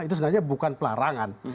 itu sebenarnya bukan pelarangan